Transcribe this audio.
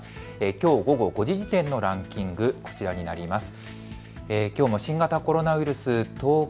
きょう午後５時時点のランキング、こちらになります。